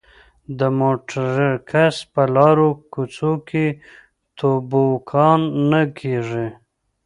د مونټریکس په لارو کوڅو کې توبوګان نه کېږي.